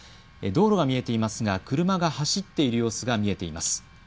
道路が見えていますが、車が走っている様子が見えています。